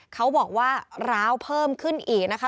เขาบอกว่าร้าวเพิ่มขึ้นอีกนะคะ